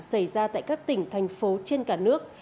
xảy ra tại các tỉnh thành phố trên cả nước